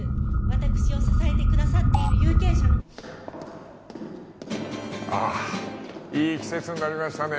私を支えてくださっている有権者のああいい季節になりましたね